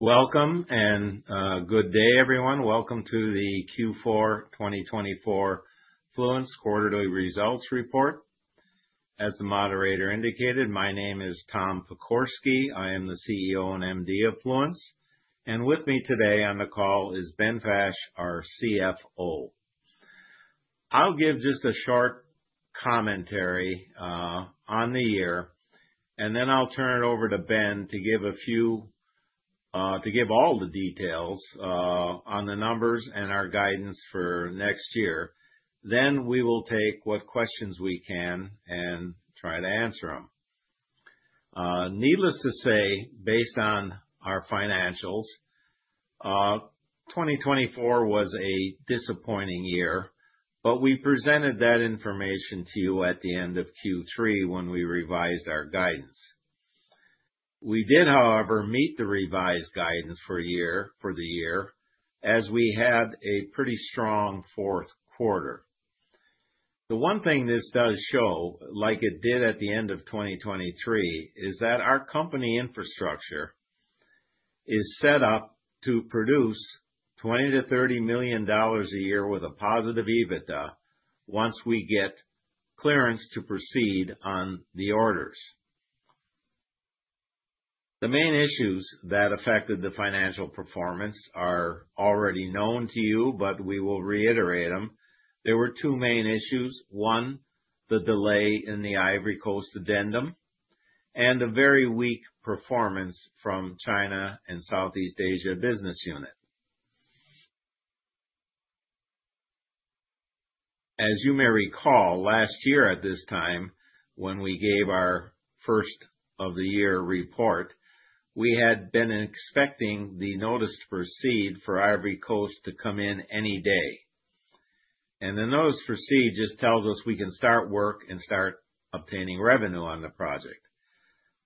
Welcome, and good day, everyone. Welcome to the Q4 2024 Fluence quarterly results report. As the moderator indicated, my name is Tom Pokorsky. I am the CEO and MD of Fluence. And with me today on the call is Ben Fash, our CFO. I'll give just a short commentary, on the year, and then I'll turn it over to Ben to give a few, to give all the details, on the numbers and our guidance for next year. Then we will take what questions we can and try to answer them. Needless to say, based on our financials, 2024 was a disappointing year, but we presented that information to you at the end of Q3 when we revised our guidance. We did, however, meet the revised guidance for the year as we had a pretty strong fourth quarter. The one thing this does show, like it did at the end of 2023, is that our company infrastructure is set up to produce $20 million-$30 million a year with a positive EBITDA once we get clearance to proceed on the orders. The main issues that affected the financial performance are already known to you, but we will reiterate them. There were two main issues: one, the delay in the Ivory Coast addendum, and a very weak performance from China and Southeast Asia Business Unit. As you may recall, last year at this time, when we gave our first of the year report, we had been expecting the notice to proceed for Ivory Coast to come in any day. And the notice to proceed just tells us we can start work and start obtaining revenue on the project.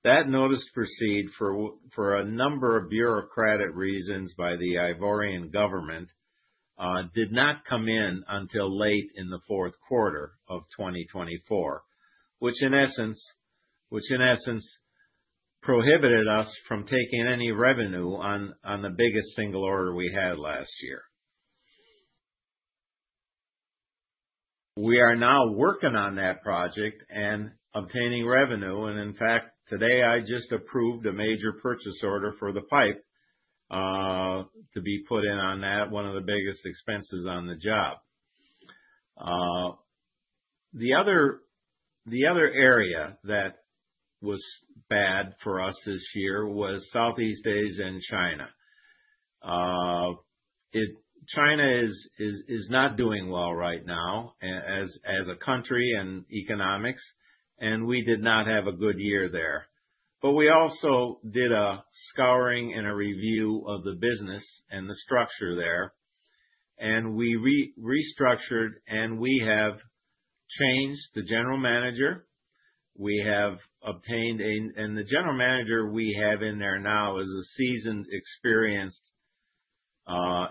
That notice to proceed for a number of bureaucratic reasons by the Ivorian government did not come in until late in the fourth quarter of 2024, which in essence prohibited us from taking any revenue on the biggest single order we had last year. We are now working on that project and obtaining revenue, and in fact, today I just approved a major purchase order for the pipe to be put in on that, one of the biggest expenses on the job. The other area that was bad for us this year was Southeast Asia and China. China is not doing well right now as a country and economics, and we did not have a good year there. But we also did a scouring and a review of the business and the structure there, and we restructured, and we have changed the general manager. We have obtained a, and the general manager we have in there now is a seasoned, experienced,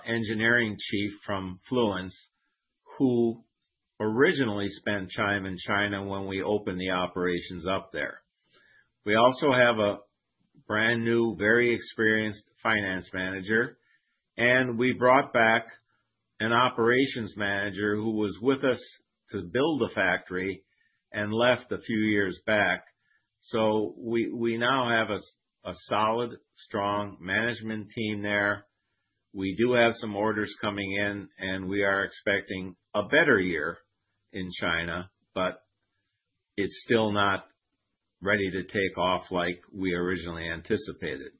engineering chief from Fluence who originally spent time in China when we opened the operations up there. We also have a brand new, very experienced finance manager, and we brought back an operations manager who was with us to build the factory and left a few years back. So we now have a solid, strong management team there. We do have some orders coming in, and we are expecting a better year in China, but it's still not ready to take off like we originally anticipated.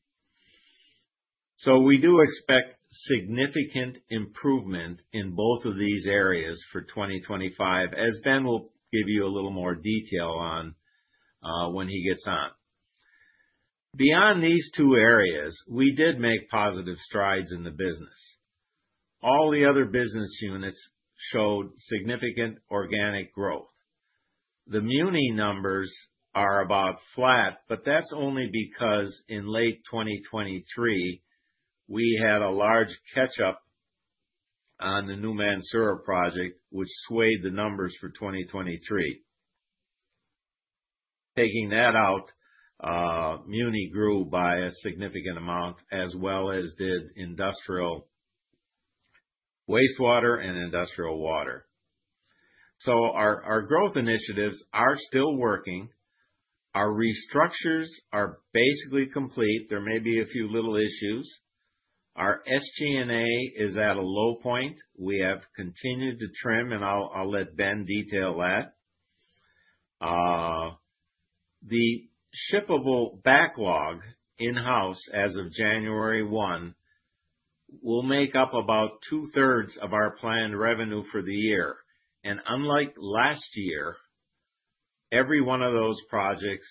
We do expect significant improvement in both of these areas for 2025, as Ben will give you a little more detail on, when he gets on. Beyond these two areas, we did make positive strides in the business. All the other business units showed significant organic growth. The Muni numbers are about flat, but that's only because in late 2023 we had a large catch-up on the New Mansoura project, which swayed the numbers for 2023. Taking that out, Muni grew by a significant amount, as well as did industrial wastewater and industrial water. So our growth initiatives are still working. Our restructures are basically complete. There may be a few little issues. Our SG&A is at a low point. We have continued to trim, and I'll let Ben detail that. The shippable backlog in-house as of January 1 will make up about two-thirds of our planned revenue for the year. And unlike last year, every one of those projects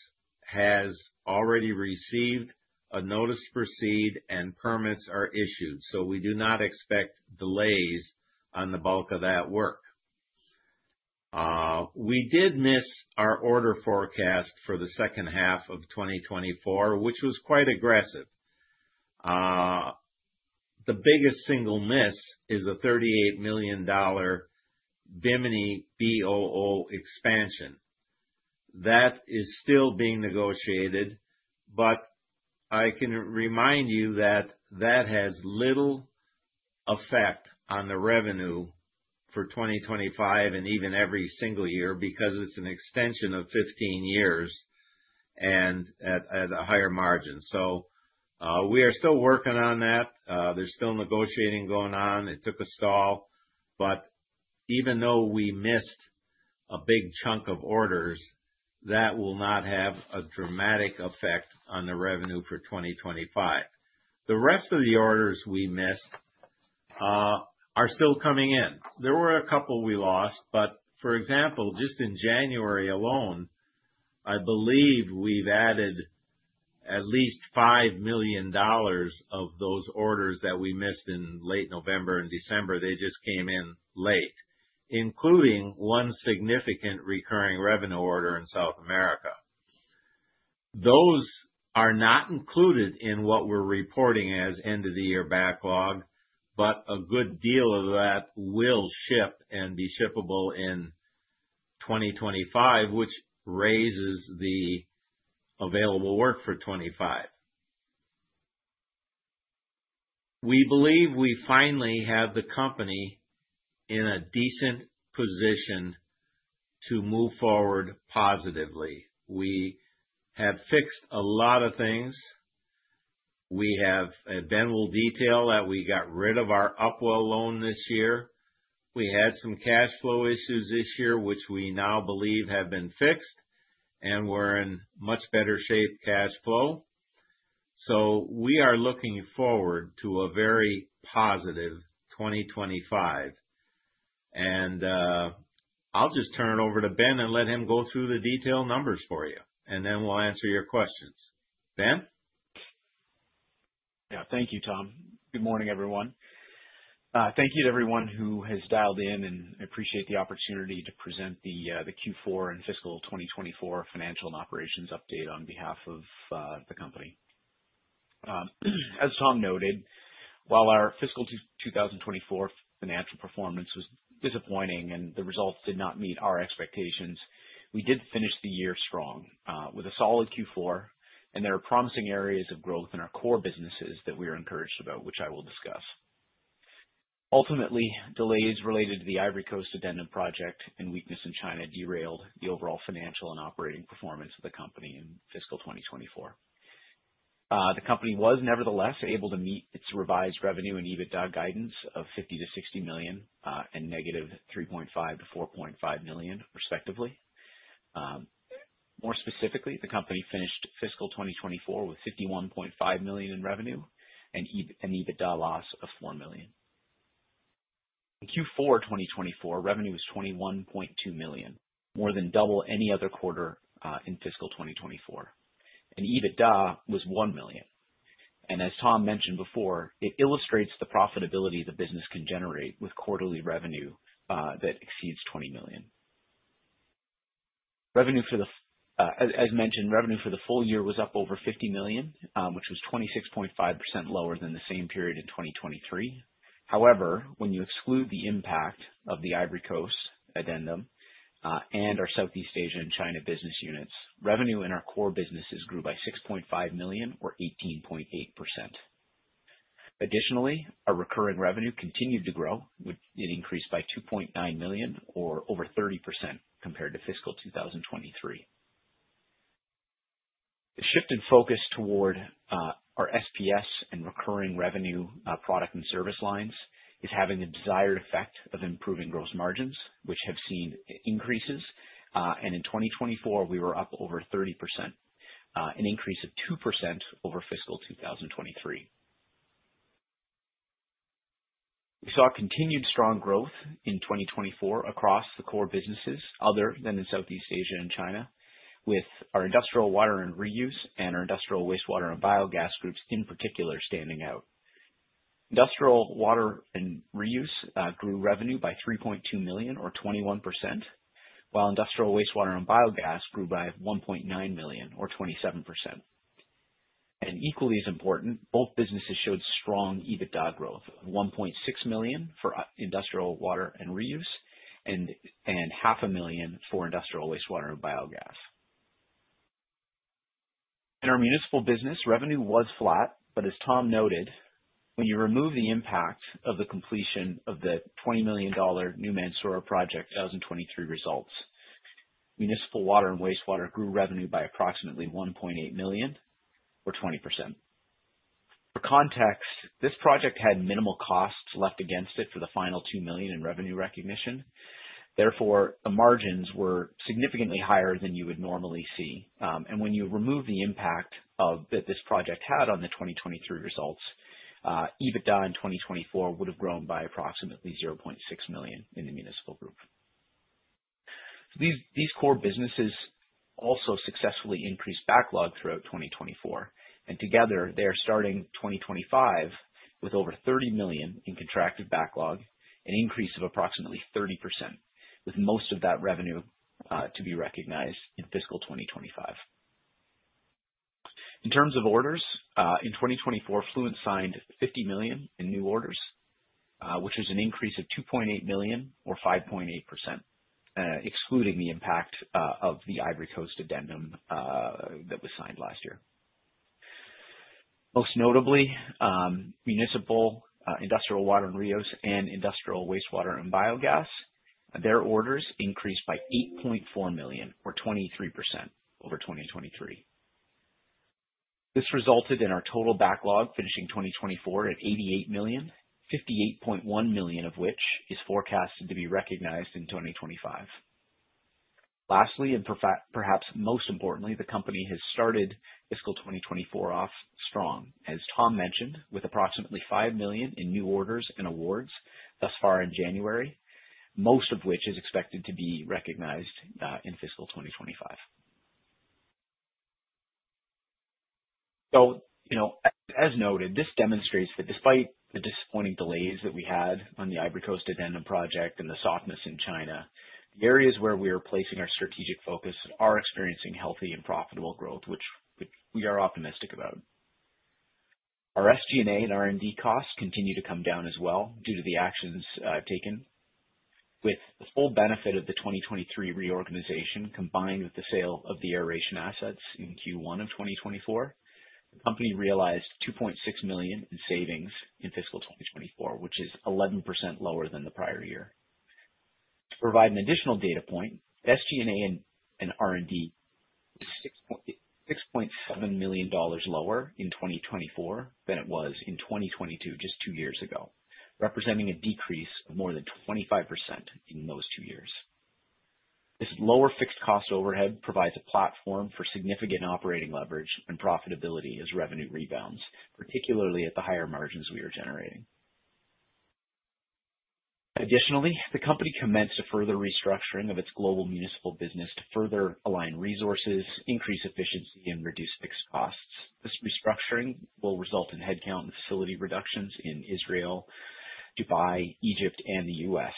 has already received a notice to proceed, and permits are issued. So we do not expect delays on the bulk of that work. We did miss our order forecast for the second half of 2024, which was quite aggressive. The biggest single miss is a $38 million Bimini BOO expansion. That is still being negotiated, but I can remind you that that has little effect on the revenue for 2025 and even every single year because it's an extension of 15 years and at, at a higher margin. So, we are still working on that. There's still negotiating going on. It took a stall, but even though we missed a big chunk of orders, that will not have a dramatic effect on the revenue for 2025. The rest of the orders we missed are still coming in. There were a couple we lost, but for example, just in January alone, I believe we've added at least $5 million of those orders that we missed in late November and December. They just came in late, including one significant recurring revenue order in South America. Those are not included in what we're reporting as end-of-the-year backlog, but a good deal of that will ship and be shippable in 2025, which raises the available work for 2025. We believe we finally have the company in a decent position to move forward positively. We have fixed a lot of things. We have. Ben will detail that we got rid of our Upwell loan this year. We had some cash flow issues this year, which we now believe have been fixed, and we're in much better shape cash flow. So we are looking forward to a very positive 2025. And, I'll just turn it over to Ben and let him go through the detailed numbers for you, and then we'll answer your questions. Ben? Yeah. Thank you, Tom. Good morning, everyone. Thank you to everyone who has dialed in, and I appreciate the opportunity to present the Q4 and fiscal 2024 financial and operations update on behalf of the company. As Tom noted, while our fiscal 2024 financial performance was disappointing and the results did not meet our expectations, we did finish the year strong, with a solid Q4, and there are promising areas of growth in our core businesses that we are encouraged about, which I will discuss. Ultimately, delays related to the Ivory Coast addendum project and weakness in China derailed the overall financial and operating performance of the company in fiscal 2024. The company was nevertheless able to meet its revised revenue and EBITDA guidance of $50 million-$60 million, and -$3.5 million-$4.5 million, respectively. More specifically, the company finished fiscal 2024 with $51.5 million in revenue and EBIT and EBITDA loss of $4 million. In Q4 2024, revenue was $21.2 million, more than double any other quarter in fiscal 2024. EBITDA was $1 million. As Tom mentioned before, it illustrates the profitability the business can generate with quarterly revenue that exceeds $20 million. Revenue, as mentioned, for the full year was up over $50 million, which was 26.5% lower than the same period in 2023. However, when you exclude the impact of the Ivory Coast addendum and our Southeast Asia and China business units, revenue in our core businesses grew by $6.5 million or 18.8%. Additionally, our recurring revenue continued to grow, which it increased by $2.9 million or over 30% compared to fiscal 2023. The shift in focus toward our SPS and recurring revenue product and service lines is having the desired effect of improving gross margins, which have seen increases, and in 2024, we were up over 30%, an increase of 2% over fiscal 2023. We saw continued strong growth in 2024 across the core businesses other than in Southeast Asia and China, with our industrial water and reuse and our industrial wastewater and biogas groups in particular standing out. Industrial water and reuse grew revenue by $3.2 million or 21%, while industrial wastewater and biogas grew by $1.9 million or 27%. And equally as important, both businesses showed strong EBITDA growth of $1.6 million for industrial water and reuse and $500,000 for industrial wastewater and biogas. In our municipal business, revenue was flat, but as Tom noted, when you remove the impact of the completion of the $20 million New Mansoura project 2023 results, municipal water and wastewater grew revenue by approximately $1.8 million or 20%. For context, this project had minimal costs left against it for the final $2 million in revenue recognition. Therefore, the margins were significantly higher than you would normally see, and when you remove the impact of that this project had on the 2023 results, EBITDA in 2024 would have grown by approximately $0.6 million in the municipal group. These core businesses also successfully increased backlog throughout 2024, and together they are starting 2025 with over $30 million in contracted backlog, an increase of approximately 30%, with most of that revenue to be recognized in fiscal 2025. In terms of orders, in 2024, Fluence signed $50 million in new orders, which was an increase of $2.8 million or 5.8%, excluding the impact of the Ivory Coast addendum, that was signed last year. Most notably, municipal, industrial water and reuse and industrial wastewater and biogas, their orders increased by $8.4 million or 23% over 2023. This resulted in our total backlog finishing 2024 at $88 million, $58.1 million of which is forecast to be recognized in 2025. Lastly, and perhaps most importantly, the company has started fiscal 2024 off strong, as Tom mentioned, with approximately $5 million in new orders and awards thus far in January, most of which is expected to be recognized in fiscal 2025. So, you know, as noted, this demonstrates that despite the disappointing delays that we had on the Ivory Coast addendum project and the softness in China, the areas where we are placing our strategic focus are experiencing healthy and profitable growth, which we are optimistic about. Our SG&A and R&D costs continue to come down as well due to the actions taken. With the full benefit of the 2023 reorganization combined with the sale of the aeration assets in Q1 of 2024, the company realized $2.6 million in savings in fiscal 2024, which is 11% lower than the prior year. To provide an additional data point, SG&A and R&D was $6.7 million lower in 2024 than it was in 2022, just two years ago, representing a decrease of more than 25% in those two years. This lower fixed cost overhead provides a platform for significant operating leverage and profitability as revenue rebounds, particularly at the higher margins we are generating. Additionally, the company commenced a further restructuring of its global municipal business to further align resources, increase efficiency, and reduce fixed costs. This restructuring will result in headcount and facility reductions in Israel, Dubai, Egypt, and the U.S..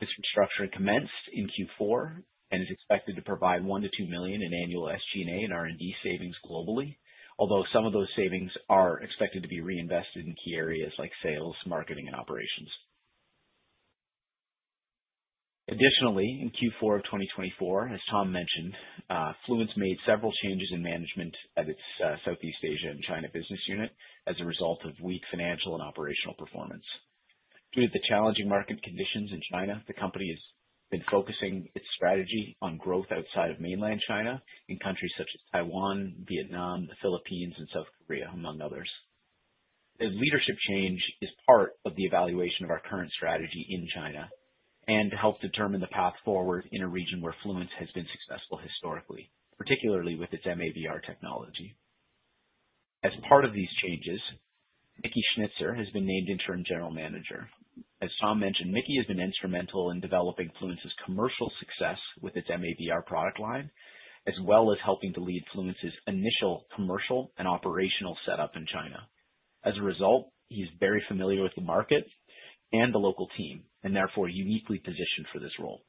This restructuring commenced in Q4 and is expected to provide $1 million-$2 million in annual SG&A and R&D savings globally, although some of those savings are expected to be reinvested in key areas like sales, marketing, and operations. Additionally, in Q4 of 2024, as Tom mentioned, Fluence made several changes in management at its Southeast Asia and China business unit as a result of weak financial and operational performance. Due to the challenging market conditions in China, the company has been focusing its strategy on growth outside of mainland China in countries such as Taiwan, Vietnam, the Philippines, and South Korea, among others. The leadership change is part of the evaluation of our current strategy in China and helps determine the path forward in a region where Fluence has been successful historically, particularly with its MABR technology. As part of these changes, Miki Schnitzer has been named Interim General Manager. As Tom mentioned, Miki has been instrumental in developing Fluence's commercial success with its MABR product line, as well as helping to lead Fluence's initial commercial and operational setup in China. As a result, he's very familiar with the market and the local team and therefore uniquely positioned for this role.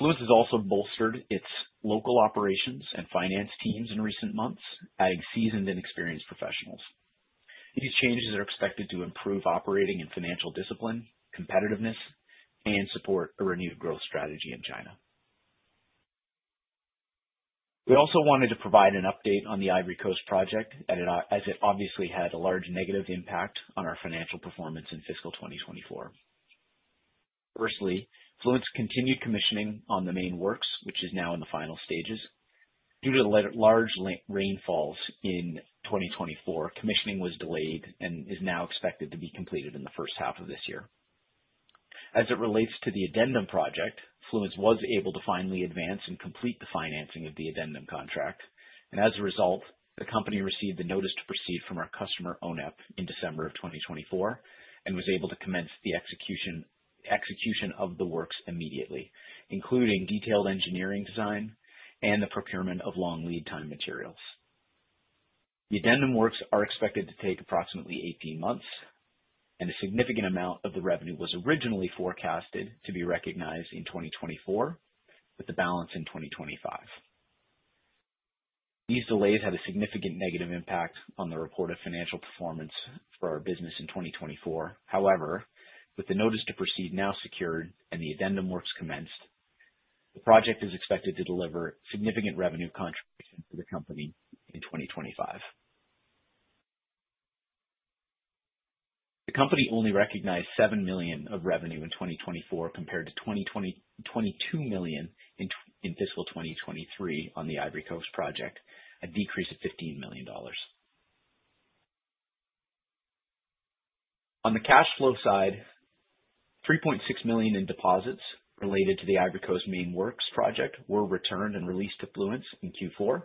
Fluence has also bolstered its local operations and finance teams in recent months, adding seasoned and experienced professionals. These changes are expected to improve operating and financial discipline, competitiveness, and support a renewed growth strategy in China. We also wanted to provide an update on the Ivory Coast project as it obviously had a large negative impact on our financial performance in fiscal 2024. Firstly, Fluence continued commissioning on the main works, which is now in the final stages. Due to large rainfalls in 2024, commissioning was delayed and is now expected to be completed in the first half of this year. As it relates to the addendum project, Fluence was able to finally advance and complete the financing of the addendum contract, and as a result, the company received a notice to proceed from our customer ONEP in December of 2024 and was able to commence the execution of the works immediately, including detailed engineering design and the procurement of long lead-time materials. The addendum works are expected to take approximately 18 months, and a significant amount of the revenue was originally forecasted to be recognized in 2024, with the balance in 2025. These delays had a significant negative impact on the reported financial performance for our business in 2024. However, with the notice to proceed now secured and the addendum works commenced, the project is expected to deliver significant revenue contributions to the company in 2025. The company only recognized $7 million of revenue in 2024 compared to $22 million in fiscal 2023 on the Ivory Coast project, a decrease of $15 million. On the cash flow side, $3.6 million in deposits related to the Ivory Coast main works project were returned and released to Fluence in Q4.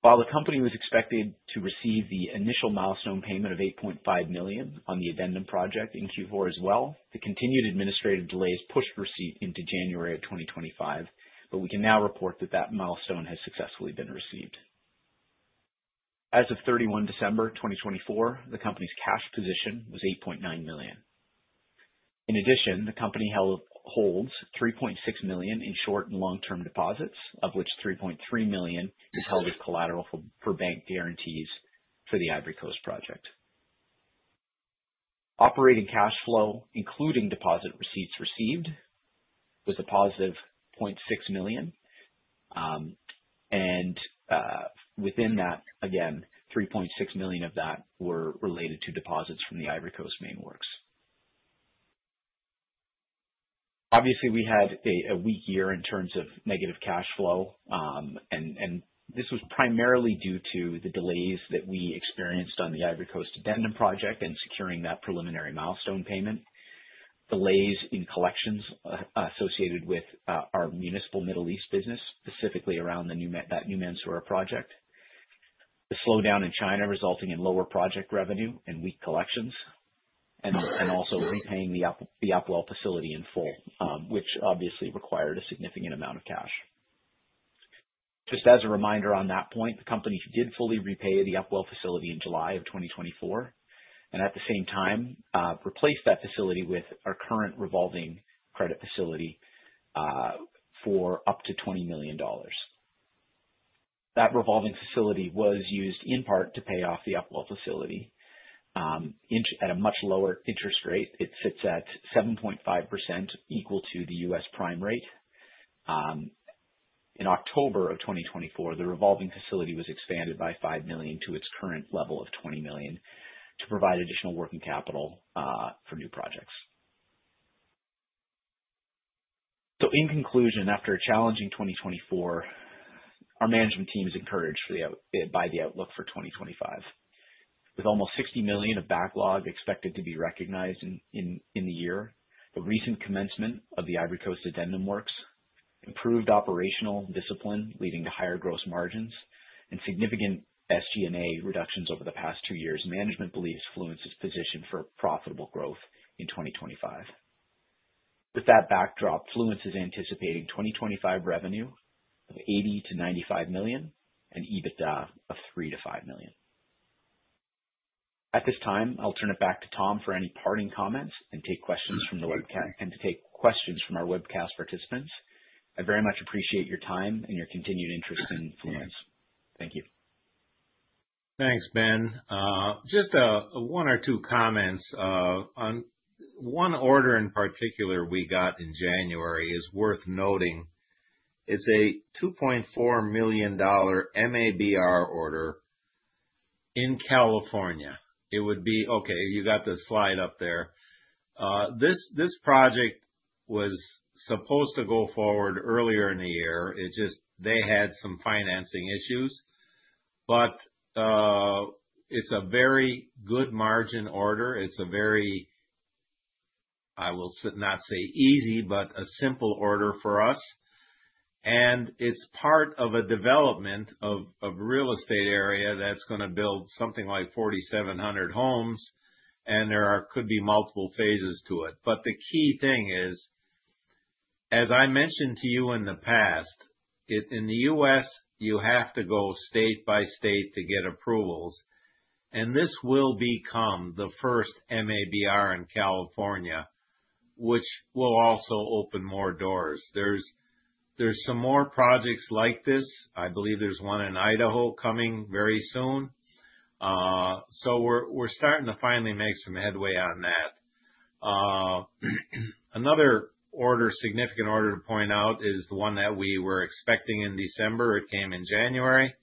While the company was expected to receive the initial milestone payment of $8.5 million on the addendum project in Q4 as well, the continued administrative delays pushed receipt into January of 2025, but we can now report that the milestone has successfully been received. As of 31 December 2024, the company's cash position was $8.9 million. In addition, the company held $3.6 million in short and long-term deposits, of which $3.3 million was held as collateral for bank guarantees for the Ivory Coast project. Operating cash flow, including deposit receipts received, was a positive $0.6 million, and within that, again, $3.6 million of that were related to deposits from the Ivory Coast main works. Obviously, we had a weak year in terms of negative cash flow, and this was primarily due to the delays that we experienced on the Ivory Coast addendum project and securing that preliminary milestone payment, delays in collections associated with our municipal Middle East business, specifically around the New Mansoura project, the slowdown in China resulting in lower project revenue and weak collections, and also repaying the Upwell facility in full, which obviously required a significant amount of cash. Just as a reminder on that point, the company did fully repay the Upwell facility in July of 2024 and at the same time, replaced that facility with our current revolving credit facility, for up to $20 million. That revolving facility was used in part to pay off the Upwell facility, at a much lower interest rate. It sits at 7.5%, equal to the U.S. prime rate. In October of 2024, the revolving facility was expanded by $5 million to its current level of $20 million to provide additional working capital for new projects. In conclusion, after a challenging 2024, our management team is encouraged by the outlook for 2025. With almost $60 million of backlog expected to be recognized in the year, the recent commencement of the Ivory Coast addendum works, improved operational discipline leading to higher gross margins, and significant SG&A reductions over the past two years, management believes Fluence is positioned for profitable growth in 2025. With that backdrop, Fluence is anticipating 2025 revenue of $80 million-$95 million and EBITDA of $3 million-$5 million. At this time, I'll turn it back to Tom for any parting comments and take questions from our webcast participants. I very much appreciate your time and your continued interest in Fluence. Thank you. Thanks, Ben. Just a one or two comments on one order in particular we got in January is worth noting. It's a $2.4 million MABR order in California. It would be. Okay, you got the slide up there. This project was supposed to go forward earlier in the year. It just they had some financing issues, but it's a very good margin order. It's a very. I will not say easy, but a simple order for us. And it's part of a development of real estate area that's going to build something like 4,700 homes. And there could be multiple phases to it. But the key thing is, as I mentioned to you in the past, it in the US, you have to go state by state to get approvals. This will become the first MABR in California, which will also open more doors. There's some more projects like this. I believe there's one in Idaho coming very soon. We're starting to finally make some headway on that. Another order, significant order to point out is the one that we were expecting in December. It came in January.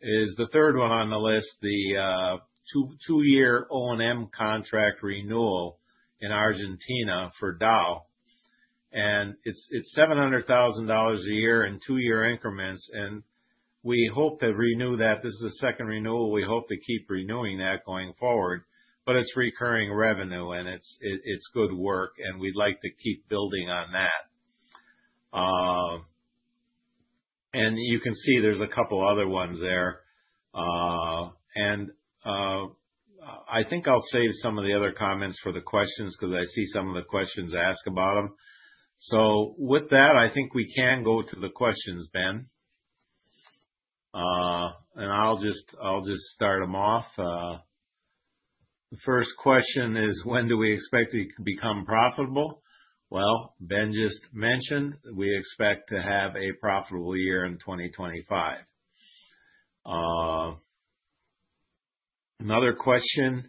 It is the third one on the list, the two-year O&M contract renewal in Argentina for Dow. It's $700,000 a year in two-year increments. We hope to renew that. This is the second renewal. We hope to keep renewing that going forward, but it's recurring revenue and it's good work and we'd like to keep building on that. You can see there's a couple other ones there. And, I think I'll save some of the other comments for the questions because I see some of the questions ask about them. So with that, I think we can go to the questions, Ben. And I'll just, I'll just start them off. The first question is, when do we expect to become profitable? Well, Ben just mentioned we expect to have a profitable year in 2025. Another question,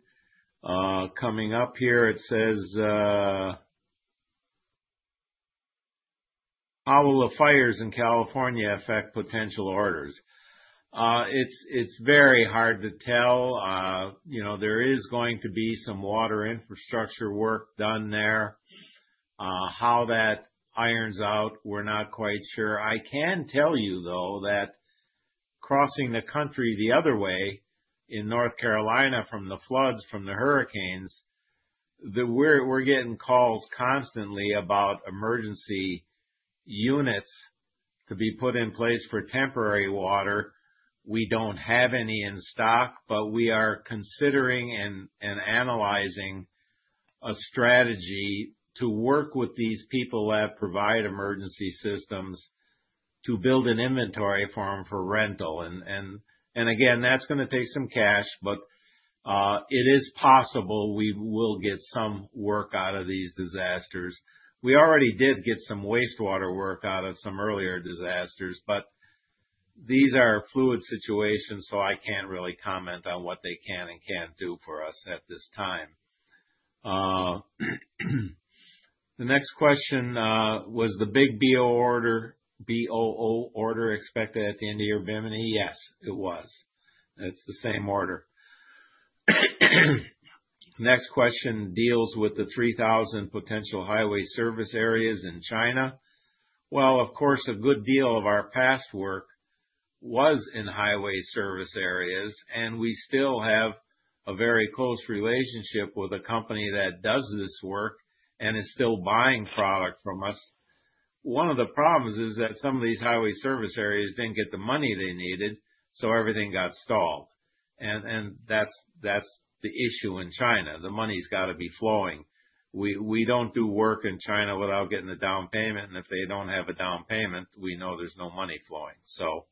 coming up here, it says, how will the fires in California affect potential orders? It's, it's very hard to tell. You know, there is going to be some water infrastructure work done there. How that irons out, we're not quite sure. I can tell you though that crossing the country the other way in North Carolina from the floods, from the hurricanes, that we're, we're getting calls constantly about emergency units to be put in place for temporary water. We don't have any in stock, but we are considering and analyzing a strategy to work with these people that provide emergency systems to build an inventory firm for rental, and again, that's going to take some cash, but it is possible we will get some work out of these disasters. We already did get some wastewater work out of some earlier disasters, but these are fluid situations, so I can't really comment on what they can and can't do for us at this time. The next question was the big BOO order, BOO order expected at the end of your Bimini? Yes, it was. It's the same order. Next question deals with the 3,000 potential highway service areas in China. Of course, a good deal of our past work was in highway service areas, and we still have a very close relationship with a company that does this work and is still buying product from us. One of the problems is that some of these highway service areas didn't get the money they needed, so everything got stalled. And that's the issue in China. The money's got to be flowing. We don't do work in China without getting a down payment. And if they don't have a down payment, we know there's no money flowing. So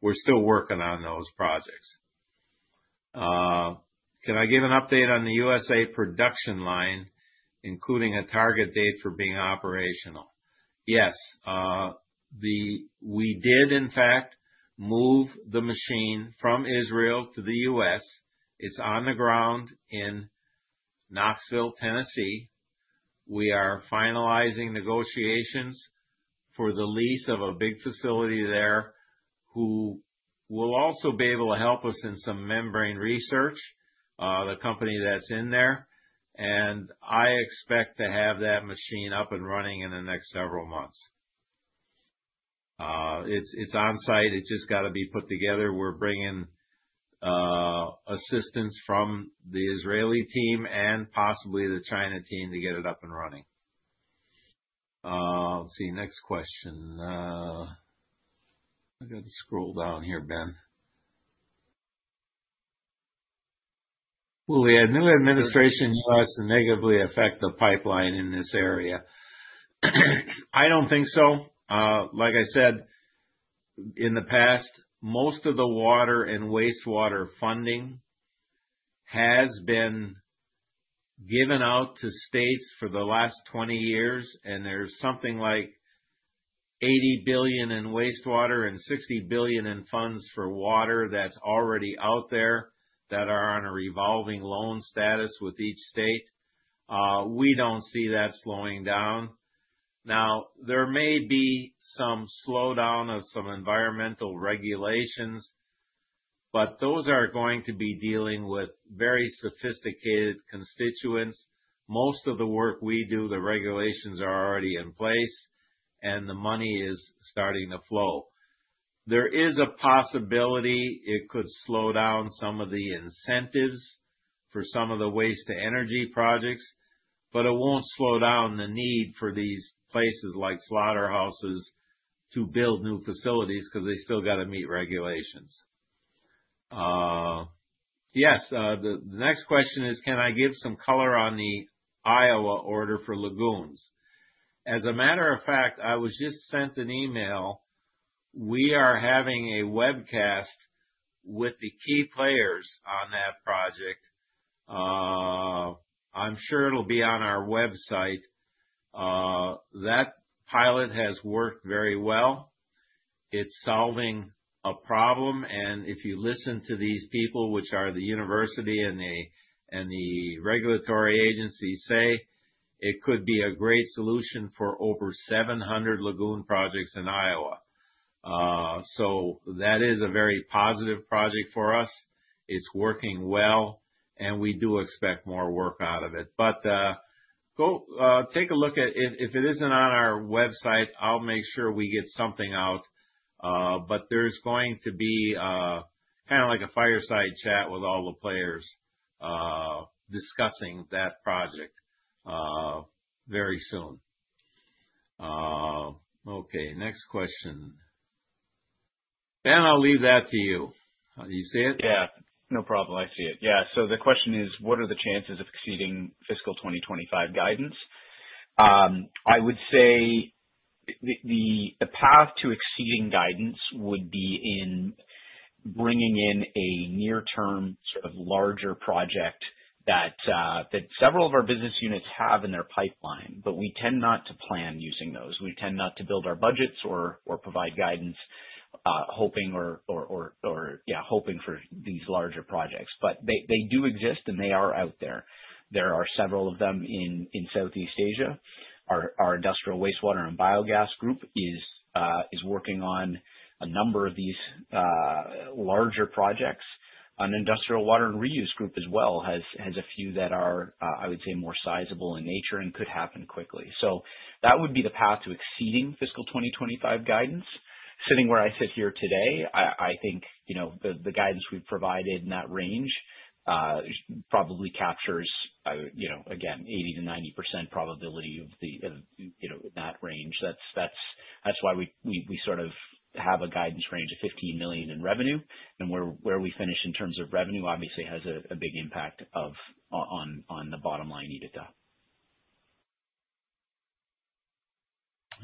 we're still working on those projects. Can I give an update on the U.S. production line, including a target date for being operational? Yes. We did in fact move the machine from Israel to the U.S. It's on the ground in Knoxville, Tennessee. We are finalizing negotiations for the lease of a big facility there who will also be able to help us in some membrane research, the company that's in there, and I expect to have that machine up and running in the next several months. It's on site. It's just got to be put together. We're bringing assistance from the Israeli team and possibly the China team to get it up and running. Let's see. Next question. I got to scroll down here, Ben. Will the new administration U.S. negatively affect the pipeline in this area? I don't think so. Like I said, in the past, most of the water and wastewater funding has been given out to states for the last 20 years. And there's something like $80 billion in wastewater and $60 billion in funds for water that's already out there that are on a revolving loan status with each state. We don't see that slowing down. Now, there may be some slowdown of some environmental regulations, but those are going to be dealing with very sophisticated constituents. Most of the work we do, the regulations are already in place and the money is starting to flow. There is a possibility it could slow down some of the incentives for some of the waste-to-energy projects, but it won't slow down the need for these places like slaughterhouses to build new facilities because they still got to meet regulations. Yes. The next question is, can I give some color on the Iowa order for lagoons? As a matter of fact, I was just sent an email. We are having a webcast with the key players on that project. I'm sure it'll be on our website. That pilot has worked very well. It's solving a problem, and if you listen to these people, which are the university and the regulatory agencies, say it could be a great solution for over 700 lagoon projects in Iowa, so that is a very positive project for us. It's working well, and we do expect more work out of it, but go, take a look at it. If it isn't on our website, I'll make sure we get something out, but there's going to be, kind of like a fireside chat with all the players, discussing that project, very soon. Okay. Next question, Ben, I'll leave that to you. You see it? Yeah, no problem. I see it. Yeah. So the question is, what are the chances of exceeding fiscal 2025 guidance? I would say the path to exceeding guidance would be in bringing in a near-term sort of larger project that several of our business units have in their pipeline, but we tend not to plan using those. We tend not to build our budgets or provide guidance hoping for these larger projects. But they do exist and they are out there. There are several of them in Southeast Asia. Our industrial wastewater and biogas group is working on a number of these larger projects. An industrial water and reuse group as well has a few that are, I would say more sizable in nature and could happen quickly. So that would be the path to exceeding fiscal 2025 guidance. Sitting where I sit here today, I think, you know, the guidance we've provided in that range probably captures, you know, again, 80%-90% probability of, you know, in that range. That's why we sort of have a guidance range of $15 million in revenue. And where we finish in terms of revenue obviously has a big impact on the bottom line EBITDA.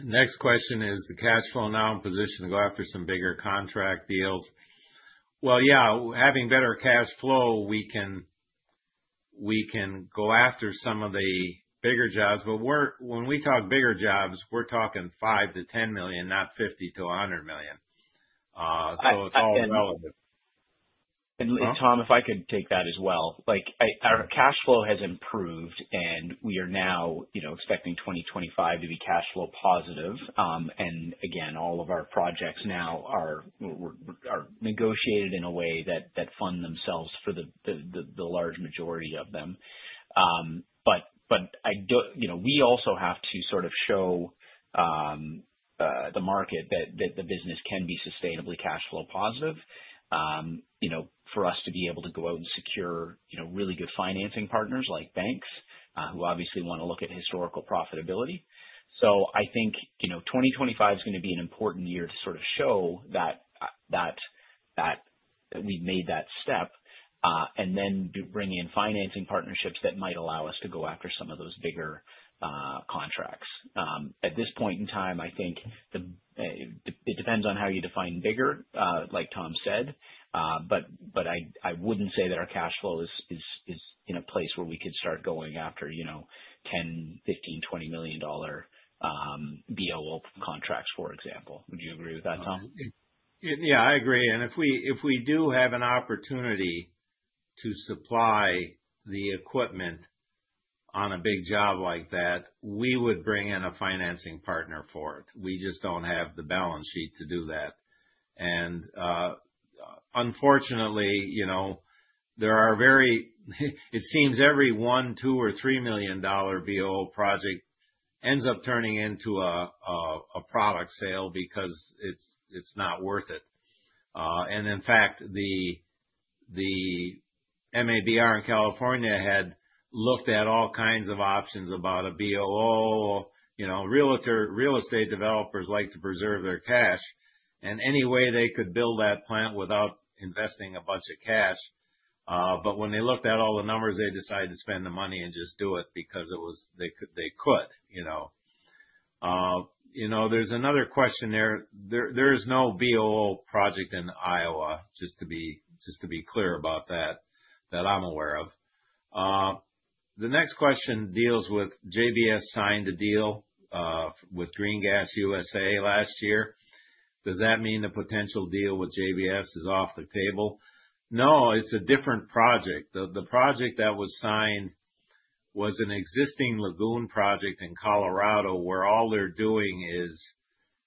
Next question is the cash flow now in position to go after some bigger contract deals. Well, yeah, having better cash flow, we can go after some of the bigger jobs. But when we talk bigger jobs, we're talking $5 million-$10 million, not $50 million-$100 million. So it's all relative. And Tom, if I could take that as well, like our cash flow has improved and we are now, you know, expecting 2025 to be cash flow positive. Again, all of our projects now are. We're negotiated in a way that fund themselves for the large majority of them. But I do, you know, we also have to sort of show the market that the business can be sustainably cash flow positive, you know, for us to be able to go out and secure, you know, really good financing partners like banks, who obviously want to look at historical profitability. So I think, you know, 2025 is going to be an important year to sort of show that we've made that step, and then bring in financing partnerships that might allow us to go after some of those bigger contracts. At this point in time, I think it depends on how you define bigger, like Tom said, but I wouldn't say that our cash flow is in a place where we could start going after, you know, $10, $15, $20 million BOO contracts, for example. Would you agree with that, Tom? Yeah, I agree. And if we do have an opportunity to supply the equipment on a big job like that, we would bring in a financing partner for it. We just don't have the balance sheet to do that. Unfortunately, you know, there are very, it seems every $1, $2, or $3 million BOO project ends up turning into a product sale because it's not worth it. In fact, the MABR in California had looked at all kinds of options about a BOO. You know, realtor, real estate developers like to preserve their cash in any way they could build that plant without investing a bunch of cash. When they looked at all the numbers, they decided to spend the money and just do it because it was. They could, you know. You know, there's another question there. There is no BOO project in Iowa, just to be clear about that that I'm aware of. The next question deals with JBS signed a deal with Green Gas USA last year. Does that mean the potential deal with JBS is off the table? No, it's a different project. The project that was signed was an existing lagoon project in Colorado where all they're doing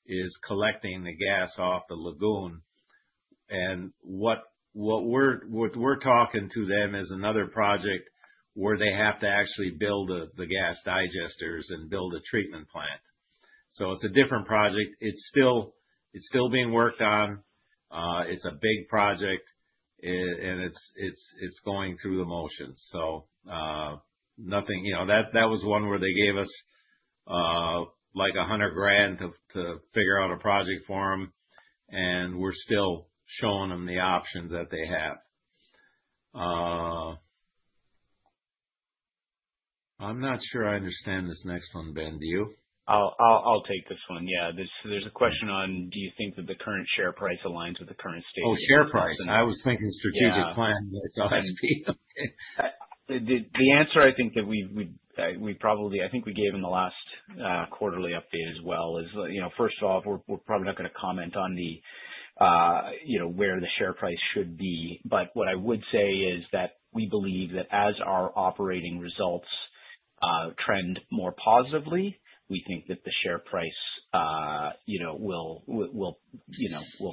is collecting the gas off the lagoon. And what we're talking to them is another project where they have to actually build the gas digesters and build a treatment plant. So it's a different project. It's still being worked on. It's a big project and it's going through the motions. So, nothing, you know, that was one where they gave us, like $100,000 to figure out a project for them. And we're still showing them the options that they have. I'm not sure I understand this next one, Ben, do you? I'll take this one. Yeah. There's a question on, do you think that the current share price aligns with the current state? Oh, share price. I was thinking strategic plan. It's SP. The answer I think that we've probably, I think we gave in the last quarterly update as well is, you know, first off, we're probably not going to comment on the, you know, where the share price should be. But what I would say is that we believe that as our operating results trend more positively, we think that the share price, you know, will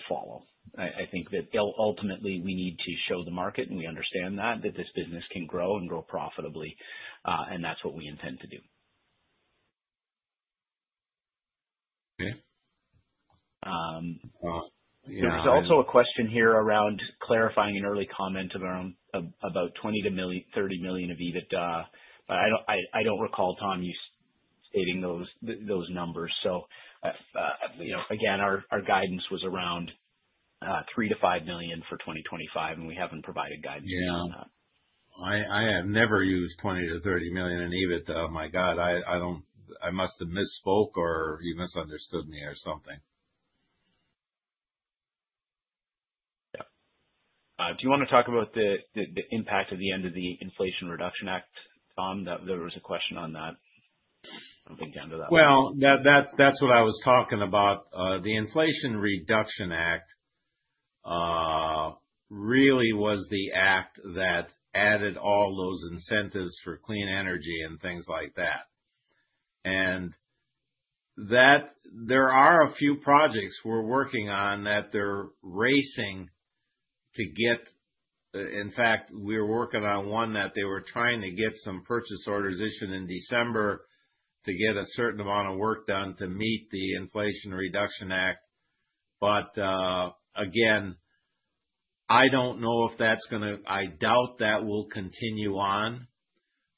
follow. I think that ultimately we need to show the market and we understand that this business can grow and grow profitably. And that's what we intend to do. Okay. There's also a question here around clarifying an early comment of our own about $20 million-$30 million of EBITDA. I don't recall, Tom, you stating those numbers. So, you know, again, our guidance was around $3 million-$5 million for 2025 and we haven't provided guidance on that. Yeah. I have never used $20 million-$30 million in EBITDA. Oh my God, I must have misspoke or you misunderstood me or something. Yeah. Do you want to talk about the impact of the end of the Inflation Reduction Act, Tom? There was a question on that. I'm thinking of that. Well, that's what I was talking about. The Inflation Reduction Act really was the act that added all those incentives for clean energy and things like that. That there are a few projects we're working on that they're racing to get. In fact, we're working on one that they were trying to get some purchase orders issued in December to get a certain amount of work done to meet the Inflation Reduction Act. But again, I don't know if that's going to. I doubt that will continue on.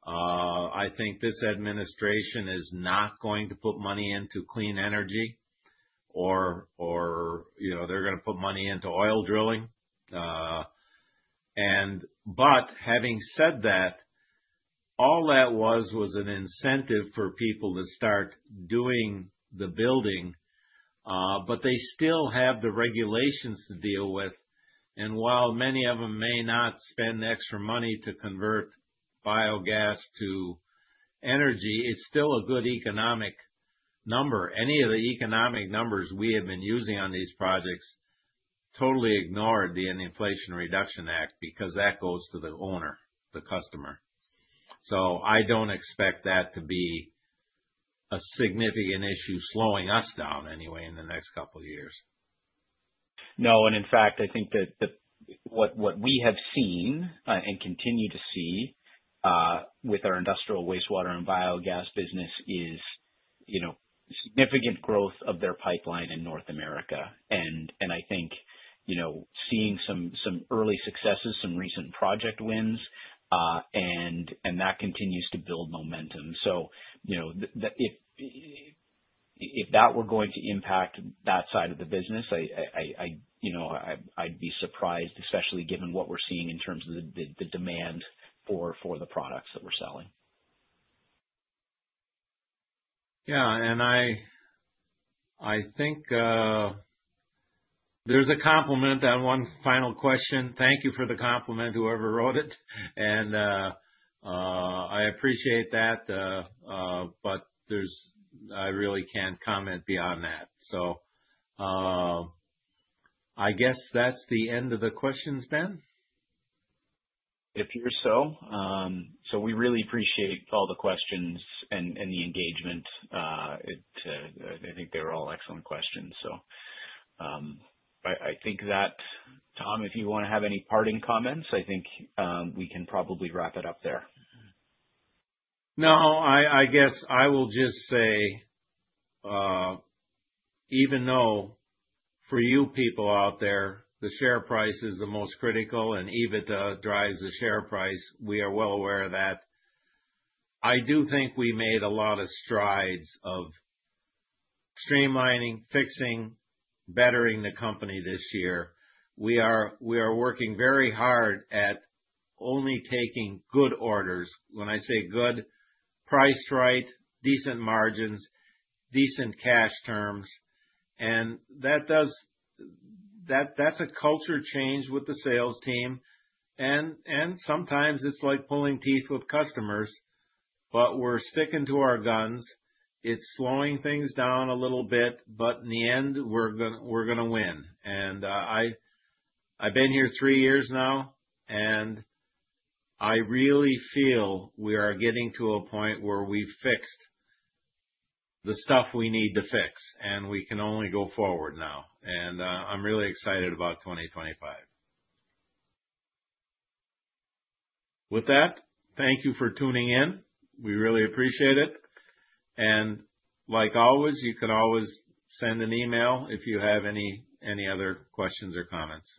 I think this administration is not going to put money into clean energy or, you know, they're going to put money into oil drilling. But having said that, all that was an incentive for people to start doing the building. But they still have the regulations to deal with. While many of them may not spend extra money to convert biogas to energy, it's still a good economic number. Any of the economic numbers we have been using on these projects totally ignored the Inflation Reduction Act because that goes to the owner, the customer, so I don't expect that to be a significant issue slowing us down anyway in the next couple of years, no. In fact, I think that what we have seen, and continue to see, with our industrial wastewater and biogas business is, you know, significant growth of their pipeline in North America. And I think, you know, seeing some early successes, some recent project wins, and that continues to build momentum. You know, that if that were going to impact that side of the business, I, you know, I'd be surprised, especially given what we're seeing in terms of the demand for the products that we're selling. Yeah. I think there's a comment on one final question. Thank you for the comment, whoever wrote it. I appreciate that, but I really can't comment beyond that. I guess that's the end of the questions, Ben. It appears so. We really appreciate all the questions and the engagement. I think they were all excellent questions. I think that, Tom, if you want to have any parting comments, I think we can probably wrap it up there. No, I guess I will just say, even though for you people out there, the share price is the most critical and EBITDA drives the share price, we are well aware of that. I do think we made a lot of strides of streamlining, fixing, bettering the company this year. We are working very hard at only taking good orders. When I say good, priced right, decent margins, decent cash terms. And that's a culture change with the sales team. And sometimes it's like pulling teeth with customers, but we're sticking to our guns. It's slowing things down a little bit, but in the end, we're going to win. And I've been here three years now and I really feel we are getting to a point where we've fixed the stuff we need to fix and we can only go forward now. And I'm really excited about 2025. With that, thank you for tuning in. We really appreciate it. And like always, you can always send an email if you have any other questions or comments.